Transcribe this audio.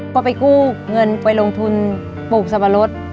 ก็ไปกู้เงินไปลงทุนปลูกสับปะรด